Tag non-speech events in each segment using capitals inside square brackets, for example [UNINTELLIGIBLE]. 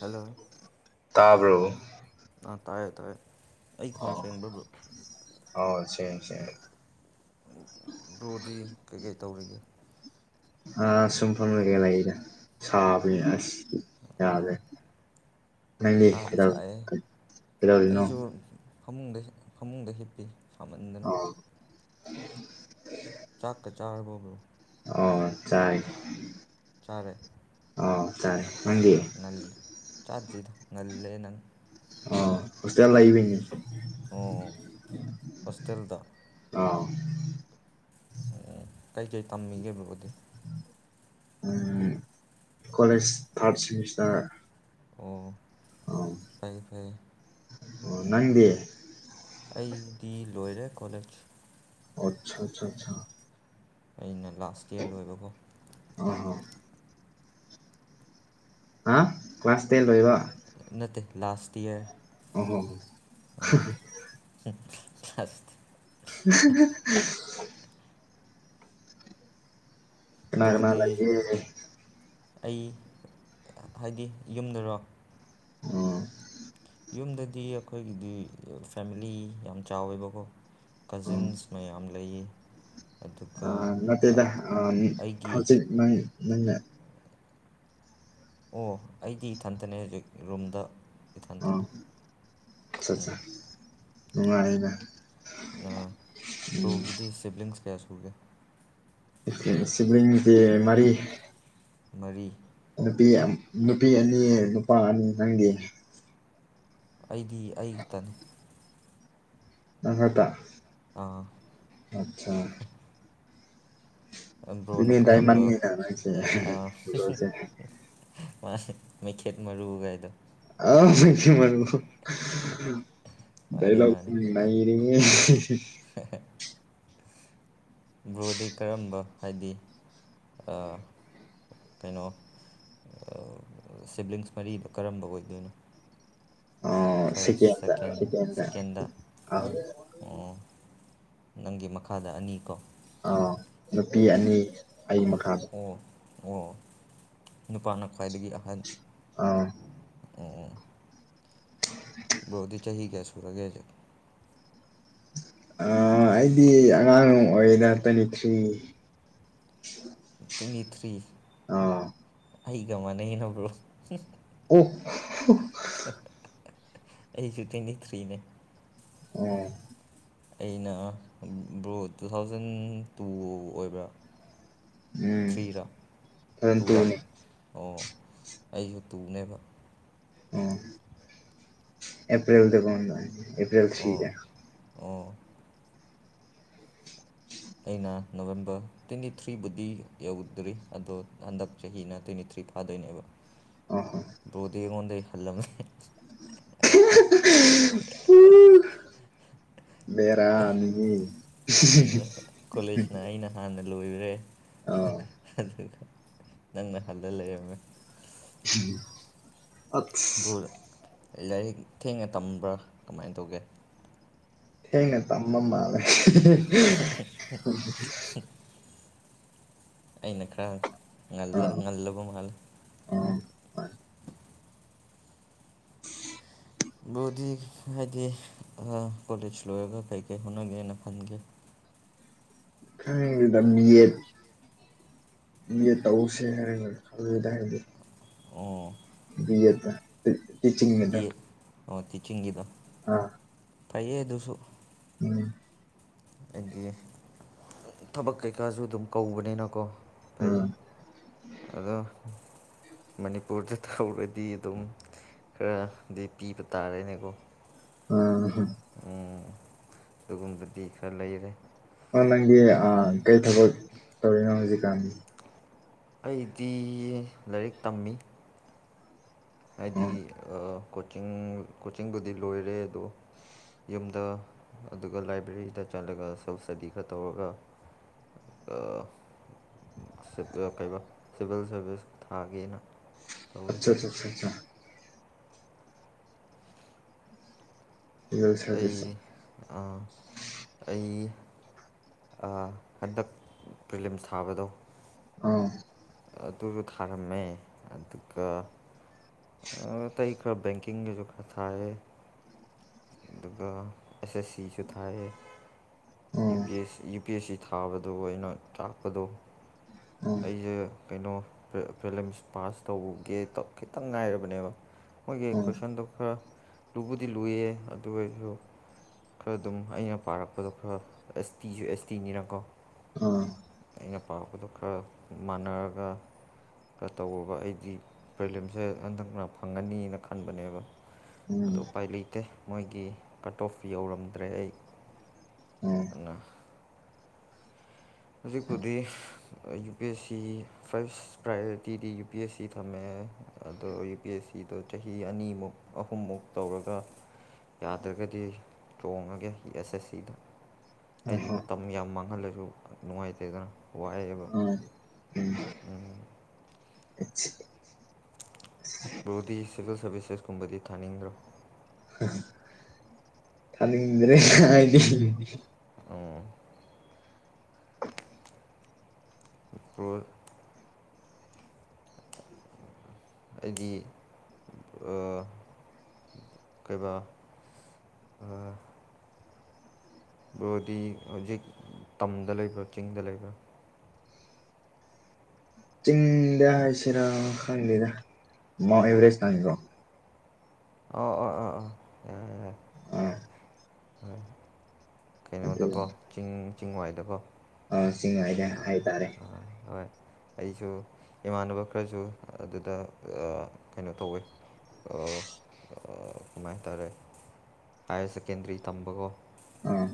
hello ꯇꯥꯕ꯭ꯔꯣ ꯑꯥ ꯇꯥꯏꯌꯦ ꯇꯥꯏꯌꯦ ꯑꯩ ꯈꯣꯟ ꯑꯣ ꯁꯡꯕꯕ꯭ꯔꯣ ꯑꯣ ꯁꯦ ꯁꯦ ꯕꯣꯗꯤ ꯀꯩꯀꯩ ꯇꯧꯔꯤꯒꯦ ꯑꯥ ꯁꯨꯝꯐꯝ ꯂꯩꯒꯦ ꯂꯩꯔ ꯁꯥꯕꯅꯦ ꯑꯁ ꯑꯥ ꯌꯥꯔꯦ ꯅꯪ ꯁꯥꯗꯤ ꯁꯥꯏꯌꯦ ꯀꯤꯗꯔꯤꯅꯣ ꯑꯩꯁꯨ ꯐꯃꯨꯡꯗ ꯐꯃꯨꯡꯗ ꯍꯤꯞꯄꯤ ꯍꯥꯝꯃꯟꯗꯅ ꯎ [UNINTELLIGIBLE] [INAUDIBLE] ꯆꯀ ꯆꯥꯔꯕꯣꯕꯣ ꯑꯣ ꯆꯥꯏ ꯆꯔꯦ ꯆꯥꯔꯦ ꯅꯪꯒꯤ ꯆꯥꯗ꯭ꯔꯤꯗ ꯉꯜꯂꯦ ꯅꯪ ꯑ ꯍꯣꯁꯇꯦꯜ ꯂꯥꯛꯕꯤꯅꯤ ꯑꯣ ꯍꯣꯁꯇꯦꯜꯗ ꯑꯥ ꯀꯩꯀꯩ ꯇꯝꯃꯤꯒꯦꯕꯣꯗꯤ ꯎꯝ ꯀꯂꯦꯖ ꯊꯥꯔꯗ ꯁꯤꯃꯤꯁꯇꯔ ꯑꯣ ꯐꯩ ꯐꯩꯌꯦ ꯑꯣ ꯅꯪꯗꯤ ꯑꯩꯗꯤ ꯂꯣꯏꯔꯦ ꯀꯣꯂꯦꯖ ꯑꯆꯥ ꯑꯆꯥꯆꯥ ꯑꯆꯥ ꯑꯩꯅ ꯂꯥꯁ ꯏꯌꯥꯔ ꯂꯣꯏꯕ ꯐꯥꯎ ꯑꯣ ꯍꯣ ꯑ ꯀ꯭ꯂꯥꯁ ꯇꯦꯟ ꯔꯣꯏꯕ ꯅꯠꯇꯦ ꯂꯥꯁ ꯏꯌꯔ ꯑ ꯍꯣꯣ ꯑꯣ [UNINTELLIGIBLE] [INAUDIBLE] [UNINTELLIGIBLE] [INAUDIBLE] ꯕ꯭ꯔꯣꯗꯤ ꯀꯅꯥꯒꯅꯥꯦ ꯑꯩ ꯍꯥꯏꯗꯤ ꯌꯨꯝꯗꯔꯣ ꯑꯣ ꯌꯨꯝꯗꯗꯤ ꯑꯩꯈꯣꯏꯒꯤꯗꯤ ꯐꯦꯃꯤꯂꯤ ꯌꯥꯝ ꯆꯥꯎꯋꯦꯕꯀꯣ ꯀꯖꯤꯟꯁ ꯃꯌꯥꯝ ꯂꯩ ꯑ ꯅꯠꯇꯦꯗ ꯑꯩꯒꯤ ꯍꯧꯖꯤꯛ ꯅꯪ ꯅꯪꯅ ꯑꯣ ꯑꯩꯗꯤ ꯏꯊꯟꯇꯅꯦ ꯍꯧꯖꯤꯛ ꯔꯨꯝꯗ ꯑ ꯏꯊꯟꯇꯅꯦ ꯑ ꯑꯠ ꯎꯝ ꯅꯨꯡꯉꯥꯏꯅ ꯗꯒꯤꯗꯤ ꯁꯤꯕꯂꯤꯡꯁ ꯀꯌꯥꯁ ꯎꯒꯦ ꯁꯤꯕꯂꯤꯡꯁꯦ ꯃꯔꯤ ꯃꯔꯤ ꯅꯨꯄꯤ ꯅꯨꯄꯤ ꯑꯅꯤ ꯅꯨꯄꯥ ꯑꯅꯤ ꯅꯪꯒꯤ ꯑꯩꯗꯤ ꯑꯩꯇꯅꯤ ꯇꯪꯒꯥꯗ ꯑꯥ ꯑꯆꯥ ꯕ꯭ꯔꯣꯅ ꯑꯗꯨꯃꯤ ꯇꯏ ꯀꯔꯝꯕ ꯃꯥꯟꯅꯤꯗꯁꯦꯦ ꯃꯥ ꯃꯩꯈꯦꯠ ꯃꯔꯨꯒꯥꯏꯗꯣ ꯑ ꯃꯥꯅꯦ ꯃꯥꯅꯦ ꯃꯔ ꯗꯥꯏꯂꯣꯒꯅꯦ ꯕ꯭ꯔꯣꯗꯤ ꯀꯔꯝꯕ ꯍꯥꯏꯗꯤ ꯀꯩꯅꯣ ꯁꯤꯕ꯭ꯂꯤꯡꯁ ꯃꯔꯤꯗꯣ ꯀꯔꯝꯕ ꯑꯣꯏꯗꯣꯏꯅꯣ ꯑꯣ ꯐꯥꯔꯁ ꯁꯤꯇ ꯁꯦꯀꯦꯟ ꯁꯤꯇ ꯁꯦꯀꯦꯟꯗ ꯑꯣ ꯅꯪꯒꯤ ꯃꯈꯥꯗ ꯑꯅꯤ ꯀꯣ ꯑꯥ ꯅꯨꯄꯤ ꯑꯅꯤ ꯑꯩ ꯃꯈꯥꯗ ꯑꯣ ꯑꯣ ꯅꯨꯄꯥꯅ ꯈ꯭ꯋꯥꯏꯗꯒꯤ ꯑꯍꯟ ꯑꯥ ꯕꯣꯗꯤ ꯆꯍꯤꯒꯦ ꯁꯨꯔꯒꯦꯦ ꯑꯩꯗꯤ ꯑꯉꯥꯡ ꯑꯣꯏꯗꯅ ꯇ꯭ꯋꯦꯟꯇꯤ ꯊ꯭ꯔꯤ ꯇ꯭ꯋꯦꯟꯇꯤ ꯊ꯭ꯔꯤ ꯑ ꯑꯩꯒ ꯃꯥꯟꯅꯕ꯭ꯔꯣ ꯑꯣ ꯑꯩꯁꯨꯇꯅꯤ ꯊ꯭ꯔꯤꯅꯦ ꯎꯝ ꯑꯩꯅ ꯭ꯔꯣ ꯇꯨ ꯊꯥꯎꯖꯟ ꯇꯨ ꯑꯣꯏꯕ꯭ꯔꯥ ꯎꯝ ꯊ꯭ꯔꯤꯔ ꯊꯥꯎꯖꯟ ꯇꯨꯨꯔꯥ ꯇꯨꯅꯤ ꯑꯣ ꯑꯩꯁꯨ ꯇꯨꯅꯦꯕ ꯑꯣ ꯑꯦꯄ꯭ꯜ ꯇꯀ ꯑꯦꯄ꯭ꯔꯜ ꯑꯣ ꯁꯤꯗ ꯑꯣ ꯑꯩꯅ ꯅꯣꯕꯦꯝꯕꯔ ꯇ꯭ꯋꯦꯟꯇꯤ ꯊ꯭ꯔꯤꯕꯨꯕꯨꯗꯤ ꯌꯧꯗ꯭ꯔꯤ ꯑꯗꯣ ꯍꯟꯗꯛ ꯆꯍꯤꯅ ꯇ꯭ꯋꯦꯟꯇꯤ ꯊ꯭ꯔꯤ ꯐꯥꯗꯣꯏꯅꯦꯕ ꯑꯣ ꯗꯣ ꯇꯒ ꯍꯗ ꯍꯜꯂꯃꯦ ꯃꯦꯔꯥꯅꯤꯅꯦ ꯂꯣꯏ꯭ꯔꯦ ꯑꯗꯨꯒ ꯅꯪꯅ ꯍꯜꯂ ꯂꯩꯔꯝꯃꯦ ꯎꯍꯨꯝ ꯕꯨꯜ ꯂꯥꯏꯔꯤꯛ ꯊꯦꯡꯅ ꯇꯝꯕ꯭ꯔꯥ ꯀꯃꯥꯏꯟ ꯇꯧꯒꯦ ꯊꯦꯡꯅ ꯇꯃ ꯃꯥꯂꯦ ꯑꯩꯅ ꯈꯔ ꯉꯜꯂ ꯑꯥ ꯉꯜꯂꯕ ꯃꯥꯜꯂꯦ ꯑꯥ ꯕꯨꯗꯤ ꯍꯥꯏꯗꯤ ꯑ ꯀꯣꯂꯦꯖ ꯂꯣꯏꯔꯒ ꯀꯩꯀꯩ ꯍꯣꯠꯅꯒꯦꯅ ꯈꯟꯒꯦ ꯈꯪꯗꯦꯗ ꯃꯤ ꯌꯦꯠ ꯌꯦ ꯇꯎꯁꯦ ꯍꯥꯏ ꯈꯗ ꯍꯥꯏꯗꯤ ꯑꯣ ꯇꯤꯌꯦꯠ ꯕꯤ ꯇꯤꯆꯤꯡꯗ ꯑꯦ ꯑꯣ ꯇꯤꯆꯤꯡꯒꯤꯗꯣ ꯑꯥ ꯐꯌꯦꯗꯨꯁꯨ ꯎꯝ ꯑꯗꯤ ꯊꯕꯛ ꯀꯩꯀꯥꯁꯨ ꯗꯨꯝ ꯀꯧꯕꯅꯤꯅꯀꯣ ꯐꯩ ꯑꯥ ꯑꯗꯣ ꯃꯅꯤꯄꯨꯔꯗ ꯇꯧꯔꯗꯤ ꯑꯗꯨꯝ ꯈꯔꯗꯤ ꯄꯤꯕ ꯇꯥꯔꯦꯅꯦꯀꯣ ꯑ ꯎ ꯑꯗꯨꯒꯨꯝꯕꯗꯤ ꯈꯔ ꯂꯩꯔꯦ ꯑꯣ ꯅꯪꯒꯤ ꯀꯩ ꯊꯕꯛ ꯇꯧꯔꯤꯅꯣ ꯍꯧꯖꯤꯛꯀꯥꯟꯒꯤ ꯑꯩꯗꯤ ꯂꯥꯏꯔꯤꯛ ꯇꯝꯃꯤ ꯍꯥꯏꯗꯤ ꯑꯣ ꯀꯣꯆꯤꯡ ꯀꯣꯆꯤꯡꯕꯨꯗꯤ ꯂꯣꯏꯔꯦ ꯑꯗꯣ ꯌꯨꯝꯗ ꯑꯗꯨꯒ ꯂꯥꯏꯕ꯭ꯔꯦꯔꯤꯗ ꯆꯠꯂꯒ ꯁꯦꯕ ꯏꯁꯇꯗꯤ ꯈꯔ ꯇꯧꯔꯒ ꯑ ꯀꯩꯕ ꯁꯤꯚꯤꯜ ꯁꯥꯔꯚꯤꯁ ꯊꯥꯒꯦꯅ ꯇꯧꯋꯤ ꯑꯆꯥꯆꯥꯆꯥꯆꯥ [UNINTELLIGIBLE] ꯑꯩ ꯁꯥꯔꯚꯤꯁ ꯑ ꯑꯩ ꯑ ꯍꯟꯗꯛ ꯄꯔꯤꯂꯤꯝꯁ ꯊꯥꯕꯗꯣ ꯑꯥ ꯑꯇꯨ ꯊꯥꯔꯝꯃꯦ ꯑꯗꯨꯒ ꯑ ꯇꯩ ꯈꯔ ꯕꯦꯡꯀꯤꯡꯒꯤꯁꯨ ꯈꯔꯥ ꯊꯥꯌꯦ ꯑꯗꯨꯒ ꯑꯦꯁ ꯑꯦꯁ ꯁꯤꯁꯨ ꯊꯥꯏ ꯌꯦ U P S C U P S C ꯊꯥꯕꯗꯣ ꯑꯩꯅ ꯇꯥꯛꯄꯗꯣ ꯑꯣ ꯑꯩꯁꯦ ꯀꯩꯅꯣ ꯄꯔꯤꯂꯤꯝꯁ ꯄꯥꯁ ꯇꯧꯒꯦ ꯈꯤꯇꯪ ꯉꯥꯏꯔꯕꯅꯦꯕ ꯃꯣꯏꯒꯤ ꯀꯣꯏꯁꯟꯗꯨ ꯈꯔ ꯂꯨꯕꯨꯗꯤ ꯂꯨꯏꯌꯦ ꯑꯗꯨ ꯑꯣꯏꯁꯨ ꯈꯔ ꯑꯗꯨꯝ ꯑꯩꯅ ꯄꯥꯔꯛ ꯄꯗꯣ ꯈꯔ ꯑꯦꯁ ꯇꯤꯁꯨ ꯑꯦꯁ ꯇꯤꯅꯤꯅꯀꯣ ꯑ ꯑꯩꯅ ꯄꯥꯕꯗꯨ ꯈꯔ ꯃꯥꯟꯅꯔꯒ ꯇꯧꯕ ꯑꯩꯗꯤ ꯄ꯭ꯔꯤꯂꯤꯝꯁꯦ ꯍꯟꯗꯛꯅ ꯐꯪꯒꯅꯤꯅ ꯈꯟꯕꯅꯦꯕ ꯑꯗꯨ ꯎꯄꯥꯏ ꯂꯩꯇꯦ ꯃꯣꯏꯒꯤ ꯀꯠ ꯑꯣꯐ ꯌꯧꯔꯝꯗ꯭ꯔꯦ ꯑꯩ ꯑ ꯍꯧꯖꯤꯛꯄꯨꯗꯤ U P S C ꯐꯥꯏꯁ ꯄ꯭ꯔꯥꯏꯌꯣꯔꯤꯇꯤꯗꯤ U P S C ꯊꯝꯃꯦ ꯑꯗꯣ ꯌꯨ ꯄꯤ ꯑꯦꯁ ꯁꯤꯗꯣ ꯆꯍꯤ ꯑꯅꯤꯃꯨꯛ ꯑꯍꯨꯝꯃꯨꯛ ꯇꯧꯔꯒ ꯌꯥꯗ꯭ꯔꯒꯗꯤ ꯆꯣꯡꯉꯒꯦ ꯑꯦꯁ ꯑꯦꯁ ꯁꯤꯗ ꯍꯥꯏꯗꯤ ꯊꯥꯅꯤꯡꯗ꯭ꯔꯦ ꯃꯇꯝ ꯌꯥꯝ ꯃꯥꯡꯍꯜꯂꯁꯨ ꯅꯨꯡꯉꯥꯏꯇꯦꯗꯅ ꯋꯥꯑꯦꯕ ꯎꯝ ꯕꯔꯣꯗꯤ ꯁꯤꯚꯤꯜ ꯁꯥꯔꯚꯤꯁꯦꯁꯀꯨꯝꯕꯗꯤ ꯊꯥꯅꯤꯡꯗ꯭ꯔꯣ ꯊꯅꯤꯡꯗꯔꯦ ꯑꯩꯗꯤ ꯎꯝ ꯄ꯭ꯔꯣ [UNINTELLIGIBLE] ꯑꯩꯗꯤ ꯑꯥ ꯀꯩꯕꯥ ꯕꯔꫭꯗꯤ ꯍꯧꯖꯤꯛ ꯇꯝꯗ ꯂꯩꯕ꯭ꯔꯥ ꯆꯤꯡꯗ ꯂꯩꯕ꯭ꯔꯥ ꯆꯤꯡꯗ ꯍꯥꯏꯁꯤꯔꯥ ꯈꯪꯗꯦꯗ ꯃꯥꯎꯟ ꯑꯦꯚꯔꯦꯁꯇꯅꯤꯀꯣ ꯑꯣ ꯑ ꯑ ꯑ ꯑꯥ ꯌꯥ ꯌꯥꯣꯏ ꯑꯗꯨ ꯀꯩꯅꯣꯗꯀꯣ ꯆꯤꯡ ꯆꯤꯡꯋꯥꯏꯗꯀꯣ ꯑ ꯁꯤꯡꯋꯥꯏꯗ ꯍꯥꯏꯇꯥꯔꯦ ꯍꯣꯏ ꯑꯩꯁꯨ ꯏꯃꯥꯟꯅꯕ ꯈꯔꯁꯨ ꯑꯗꯨꯗ ꯀꯩꯅꯣ ꯇꯧꯋꯤ ꯑꯣ ꯀꯃꯥꯏ ꯍꯥꯏꯇꯔꯦ ꯍꯥꯏꯌꯔ ꯁꯦꯀꯦꯟꯗꯔꯤ ꯊꯝꯕꯀꫭ ꯑꯥ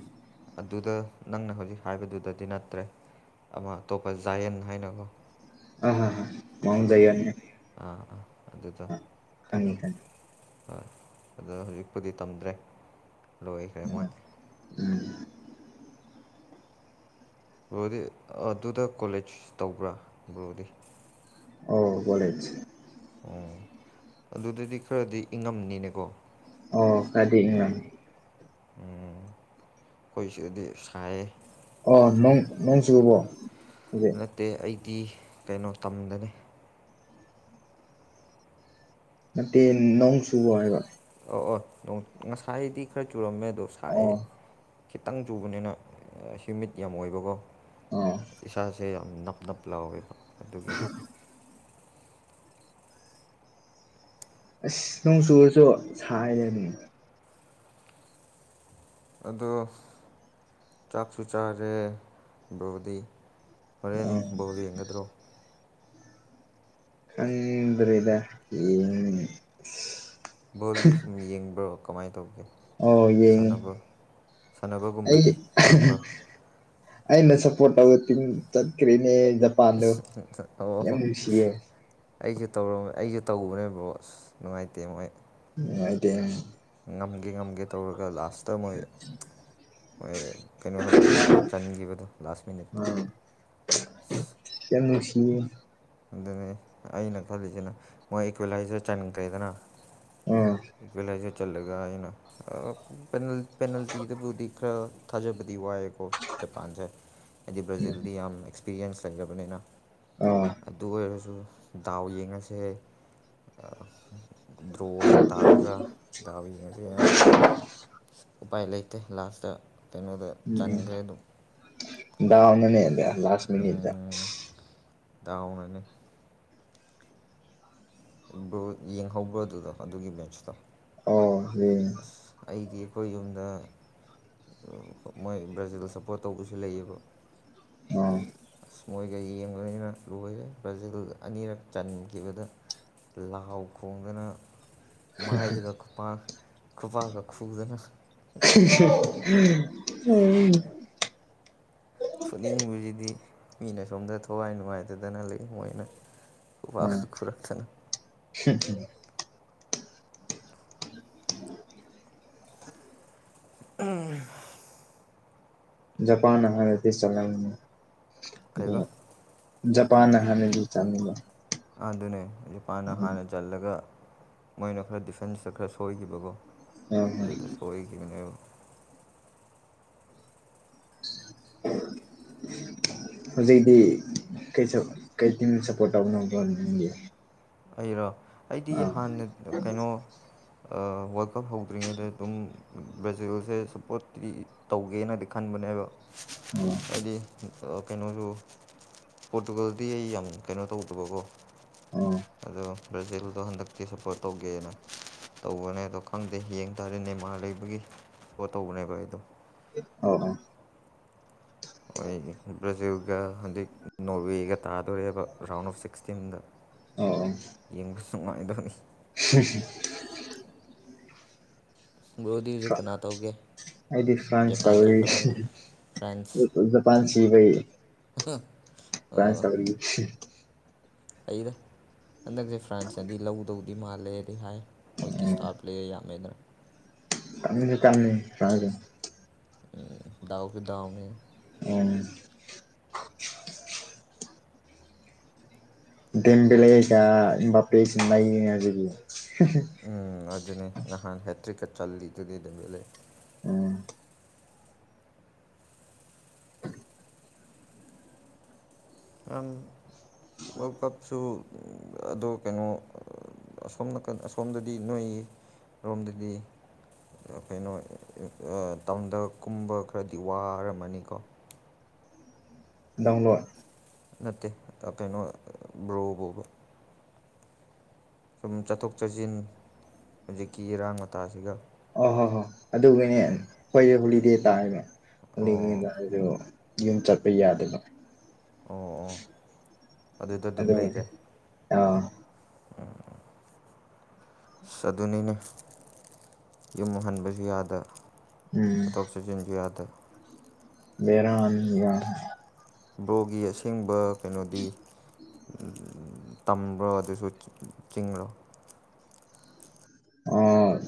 ꯑꯗꯨꯗ ꯅꯪꯅ ꯍꯧꯖꯤꯛ ꯍꯥꯏꯕꯗꯨꯗꯗꯤ ꯅꯠꯇ꯭ꯔꯦ ꯑꯃ ꯑꯇꯣꯞꯄ ꯖꯥꯌꯦꯟ ꯍꯥꯏꯅꯀꯣ ꯑ ꯑꯥ ꯑ ꯃꯥꯎꯟ ꯑꯥ ꯑꯥ ꯖꯌꯥꯟꯅ‌ꯦ ꯑꯥ ꯑꯗꯨꯗ ꯇꯝꯃ‌ꯦ ꯍꯣꯏ ꯑꯗꯣ ꯍꯧꯖꯤꯛꯄꯨꯗꯤ ꯇꯝꯗ꯭ꯔꯦ ꯂꯣꯏꯈ꯭ꯔꯦ ꯃꯣꯏ ꯑꯥ ꯎꯝ ꯕ꯭ꯔꯣꯗꯤ ꯑꯗꯨꯗ ꯀꯣꯂꯦꯖ ꯇꯧꯕ꯭ꯔꯥ ꯕ꯭ꯔꯣꯗꯤ ꯑꯣ ꯍꯂꯦꯁ ꯑꯣ ꯑꯗꯨꯗꯗꯤ ꯈꯔꯗꯤ ꯏꯪꯉꯝꯅꯤꯅꯦꯀꯣ ꯑꯣ ꯀꯗꯤ ꯏꯪꯂꯝꯅꯤ ꯎꯝ ꯑꯈꯣꯏꯁꯗꯗꯤ ꯁꯥꯏꯌꯦ ꯑꫭ ꯅꯪ ꯅꯣꯡ ꯆꯨꯨꯔꯔꯕꯣ ꯅꯠꯇꯦ ꯑꯩꯗꯤ ꯀꯩꯅꯣ ꯇꯝꯗꯅ‌ꯦ ꯅꯠꯇꯦ ꯅꯣꯡ ꯆꯨꯕꯔꫭ ꯍꯥꯏꯕ ꯑꯣ ꯑꯣ ꯉꯁꯥꯏꯗꯤ ꯈꯔ ꯆꯨꯔꯝꯃꯦ ꯑꯗꯣ ꯁꯥꯏꯑꯦ ꯑꯣ ꯈꯤꯇꯪ ꯆꯨꯕꯅꯤꯅ ꯍ꯭ꯌꯨꯃꯤꯠ ꯌꯥꯝ ꯑꯣꯏꯕꯀꯣ ꯑꯣ ꯏꯁꯥ ꯁꯦ ꯌꯥꯝ ꯅꯞ ꯅꯞ ꯂꯥꯎꯋꯦꯕ ꯑꯗꯨꯒꯤ ꯑꯁ ꯅꯣꯡꯆꯨꯨꯔꯁꯨ ꯁꯥꯏꯑ‌ꯦꯅꯤ ꯑꯗꯣ ꯆꯥꯛꯁꯨ ꯆꯥꯔꯦ ꯕ꯭ꯔꫭꯗꯤ ꯍꯣꯔꯦꯟ ꯑꯣ ꯕꫭꯜ ꯌꯦꯡꯒꯗ꯭ꯔꯣ ꯈꯗ꯭ꯔꯗ ꯌ‌ꯦꯡꯅꯤ ꯕꯣꯜꯗꯤ ꯁꯨꯝ ꯌꯦꯡꯕ꯭ꯔꯣ ꯀꯃꯥꯏꯅ ꯇꯧꯒꯦ ꯑꯣ ꯌꯦꯡꯉꯤ ꯁꯥꯟꯅꯕ ꯑꯩ ꯁꯥꯟꯅꯕꯒꯨꯝꯕꯗꯤ ꯄꯥꯝꯕ꯭ꯔꯣ ꯑꯩꯅ ꯁꯄꫭꯔꯠ ꯇꯧꯏꯕ ꯊꯤꯝ ꯆꯠꯈꯔꯤꯅꯦ ꯑꯁ ꯑꯣ ꯑꯩꯁꯨ ꯇꯧ ꯑꯩꯁꯨ ꯇꯧꯕꯅꯦꯕ꯭ꯔꯣ ꯑꯁ ꯅꯨꯡꯉꯥꯏꯇꯦ ꯃꯣꯏ ꯅꯨꯡꯉꯥꯏꯇ‌ꯦ ꯉꯝꯒꯦ ꯉꯝꯒꯦ ꯇꯧꯔꯒ ꯂꯥꯁꯇ ꯃꯣꯏ ꯍꯣꯏ ꯀꯩꯅꯣꯅ ꯕ꯭ꯔꯥꯖꯤꯜꯅ ꯆꯥꯟꯈꯤꯕꯗꯣ ꯂꯥꯁ ꯃꯤꯅꯤꯠꯇ ꯑꯥ [UNINTELLIGIBLE] ꯑꯣ [UNINTELLIGIBLE] ꯑꯗꯨꯅꯤ ꯑꯩꯅ ꯈꯜꯂꯤꯁꯤꯅ ꯃꯣꯏ ꯏꯀ꯭ꯋꯦꯂꯥꯏꯖꯔ ꯆꯟꯈꯔ‌ꯦꯗꯅꯥ ꯑꯥ ꯏꯀ꯭ꯋꯦꯂꯥꯏꯖꯔ ꯆꯂꯒ ꯑꯩꯅ ꯑꯥ ꯄ‌ꯦꯅꯜ ꯄꯦꯅꯥꯜꯇꯤꯗꯕꯨꯗꯤ ꯈꯔ ꯊꯥꯖꯕꯗꯤ ꯋꯥꯏꯑ‌ꯦꯀꫭ ꯖꯄꯥꯟꯁꯦ ꯍꯥꯏꯗꯤ ꯕ꯭ꯔꯥꯖꯤꯜꯗꯤ ꯌꯥꯝ ꯑꯦꯛꯁꯄꯤꯔꯤꯌꯦꯟꯁ ꯂꯩꯔꯕꯅꯤꯅ ꯑꯥ ꯑꯗꯨ ꯑꯣꯏꯔꯁꯨ ꯗꯥꯎ ꯌꯦꯡꯉꯁꯦ ꯗ꯭ꯔꯣ ꯑꯣꯏꯅ ꯇꯥꯔꯒ ꯗꯥꯎ ꯌꯦꯡꯉꯁꯦꯅ ꯍꯥꯏꯕꯅꯤꯕ ꯎꯄꯥꯏ ꯂꯩꯇꯦ ꯂꯥꯁꯇ ꯀꯩꯅꯣꯗ ꯆꯪꯈ꯭ꯔꯦ ꯑꯗꯨꯝ ꯗꯥꯎꯅꯅꯦꯕ ꯂꯥꯁ ꯃꯤꯅꯤꯠꯗ ꯗ ꯑꯣꯅꯤ ꯌꯦꯡꯍꯧꯕ꯭ꯔ ꯑꯗꯨꯗꯣ ꯑꯗꯨꯒꯤ ꯕꯦꯟꯁꯇꯣ ꯑꯣ ꯍ ꯑꯩꯈꯣꯏ ꯌꯨꯝꯗ ꯃꯣꯏ ꯕ꯭ꯔꯥꯖꯤꯜ ꯁ ꯐꯣ ꯇꯧꯕꯁꯨ ꯂꯩꯌꯦꯕ ꯑꯣ ꯑꯥ ꯃꯣꯏꯒ ꯌꯦꯡꯕꯅꯤꯅ ꯂꯣꯏꯔꯦ ꯕ꯭ꯔꯖꯤꯜ ꯑꯅꯤꯔꯛ ꯆꯟꯈꯤꯕꯗ ꯂꯥꯎ ꯈꯣꯡꯗꯅ ꯃꯥꯏꯗꯨꯒ ꯈꯨꯄꯥꯛ ꯈꯨꯄꯥꯛꯒ ꯈꯨꯗꯅ ꯎ ꯐꯨꯅꯤꯡꯕꯁꯤꯗꯤ ꯃꯤꯅ ꯁꯣꯝꯗ ꯊꯋꯥꯏ ꯅꯨꯡꯉꯥꯏꯇꯗꯅ ꯂꯩ ꯃꯣꯏꯅ ꯎ ꯋꯥ ꯐꯨꯔꯛꯛꯇꯅ ꯎꯝ [UNINTELLIGIBLE] ꯎꯝ ꯖꯄꯥꯟ ꯍꯥꯏꯍꯗꯤ ꯆꯂꯅ ꯀꯩꯕ ꯑ ꯄꯅ ꯍꯅꯤꯗꯨ ꯆꯗ ꯑꯗꯨ ꯑꯗꯨꯅꯦ ꯍꯧꯖꯤꯛꯄꯥꯥꯟꯅ ꯍꯥꯟꯅ ꯆꯜꯂꯒ ꯃꯣꯏꯅ ꯈꯔ ꯗꯤꯐꯦꯟꯁꯇ ꯈꯔ ꯁꯣꯏꯈꯤꯕꯀꯣ ꯍꯣꯏ ꯍꯣꯏ ꯑꯗꯨꯗ ꯁꯣꯏꯒꯤꯃꯤꯅꯦꯕ [UNINTELLIGIBLE] ꯍꯧꯖꯤꯛꯇꯤ ꯀꯁꯨ ꯀ ꯁꯞꯄꯣꯔꯠ ꯇꯧꯕꯣꯒꯤ ꯑꯩꯔꯣ ꯑꯩꯗꯤ ꯍꯥꯟꯅ ꯀꯩꯅꯣ ꯋꯥꯔꯜ ꯀꯞ ꯍꯧꯗ꯭ꯔꯤꯉꯩꯗ ꯑꯗꯨꯝ ꯕ꯭ꯔꯥꯖꯤꯜꯁꯦ ꯁꯞꯄꯣꯔꯠꯇꯤ ꯇꯧꯒꯦꯅꯗꯤ ꯈꯟꯕ ꯅꯦꯕ ꯑꯣ ꯍꯥꯏꯗꯤ ꯀꯩꯅꯣꯁꯨ ꯄꯣꯔꯠꯇꯨꯒꯜꯗꯤ ꯑꯩ ꯌꯥꯝ ꯀꯩꯅꯣ ꯇꯧꯗꯕꯀꯣ ꯎꯝ ꯑꯗꯣ ꯕ꯭ꯔꯥꯖꯤꯜꯗꯣ ꯍꯟꯗꯛꯇꯤ ꯁꯞꯄꯣꯔꯠ ꯇꯧꯒꯦꯅ ꯇꯧꯕꯅꯦ ꯑꯗꯣ ꯈꯪꯗꯦ ꯌꯦꯡ ꯇꯥꯔꯗꯤ ꯅꯦꯃꯥꯔ ꯂꯩꯕꯒꯤ ꯄꯣꯠ ꯇꯧꯕꯅꯦꯕ ꯑꯩꯗꯣ ꯑꯣ ꯭ꯔꯖꯤꯒ ꯍꯧꯖꯤꯛ ꯅꯣꯔꯋꯦꯒ ꯇꯥꯗꯣꯔꯦꯕ ꯔꯥꯎꯟ ꯑꯣꯐ ꯁꯤꯛꯁꯇꯤꯟꯗ ꯌꯦꯡꯕꯁꯨ ꯅꯨꯡꯉꯥꯏꯗꯕꯅꯤ ꯍ ꯒ꯭ꯔꯣꯗꯤ ꯍꯧꯖꯤꯛ ꯀꯅꯥ ꯇꯧꯒꯦ ꯑꯩꯗꯤ ꯐ꯭ꯔꯥꯟꯁ ꯖꯄꯥꯟ ꯆꯠꯈ꯭ꯔꯕꯅꯤꯅ ꯆꯕ ꯖꯄꯥꯟ ꯁꯤꯕ ꯑ ꯐ꯭ꯔꯥꯟꯁ ꯇꯕꯔ ꯑꯩꯗ ꯍꯟꯗꯛꯁꯦ ꯐ꯭ꯔꯥꯟꯁꯅꯗꯤ ꯂꯧꯗꯧꯗꯤ ꯃꯥꯜꯂꯦꯗꯤ ꯍꯥꯏ ꯃꯣꯏꯒꯤ ꯁꯇꯥ ꯄ꯭ꯂꯦ ꯌꯥꯝ ꯑꯃꯃꯦꯗ꯭ꯔ ꯇꯝꯁꯨ ꯇꯝꯅꯤ ꯆꯗ ꯎ ꯗꯎ ꯀꯗꯅꯤ ꯎ ꯗꯦꯝꯕꯤꯂꯦꯛꯒ ꯍꯕꯥ ꯄꯖꯝ ꯂꯩ ꯌꯦꯉꯖꯒꯤ ꯎꯝ ꯑꯗꯨꯅꯦ ꯅꯍꯥꯟ ꯍꯦꯇ꯭ꯔꯤꯛꯀ ꯆꯜꯂꯤꯗꯨꯗꯤ ꯑꯗꯨ ꯂꯩ ꯑ ꯋꯥꯔꯜ ꯀꯞꯁꯨ ꯑꯗꯣ ꯀꯩꯅꯣ ꯑꯁꯣꯝ ꯅꯥꯀꯟ ꯑꯁꯣꯝꯗꯗꯤ ꯅꯣꯏ ꯑꯣꯝꯗꯗꯤ ꯀꯩꯅꯣ ꯇꯥꯎꯟꯗ ꯀꯨꯝꯕ ꯈꯔꯗꯤ ꯋꯥꯔꯝꯃꯅꯤꯀꯣ [UNINTELLIGIBLE] ꯗꯥꯎꯟꯂꯣꯣꯔ ꯅꯠꯇꯦ ꯀꯩꯅꯣ ꯕ꯭ꯔꯣꯕꯣꯕ ꯁꯨꯝ ꯆꯠꯊꯣꯛ ꯆꯠꯁꯤꯟ ꯍꯧꯖꯤꯛꯀꯤ ꯏꯔꯥꯡ ꯃꯇꯥꯁꯤꯒ ꯑ ꯍꯣ ꯍꯣꯏ ꯑꯗꯨꯒꯤꯅꯦ ꯑꯩꯈꯣꯏꯁꯦ ꯍꯣꯂꯤꯗꯦ ꯇꯥꯏꯕ ꯑꯣ ꯍꯣꯂꯤꯦꯗꯁꯨ ꯌꯨꯝ ꯆꯠꯄ ꯌꯥꯗꯕ ꯑꯣ ꯑꯣ ꯑꯗꯨꯗ ꯑꯗꯨꯝ ꯂꯩꯔꯦ ꯑ [UNINTELLIGIBLE] ꯑꯁ ꯑꯗꯨꯅꯤꯅꯦ ꯌꯨꯝ ꯍꯟꯕꯁꯨ ꯌꯥꯗ ꯄꯇꯣ ꯁꯤꯖꯤꯟꯖ ꯌꯥꯗ ꯂꯩꯔꯅꯤ ꯌꯥ ꯕ꯭ꯔꯣꯒꯤ ꯑꯁꯦꯡꯕ ꯀꯩꯅꯣꯗꯤ ꯇꯝꯕ꯭ꯔꯣ ꯑꯗꯨꯁꯨ ꯆꯤꯡꯡꯂꯣ ꯑꯣ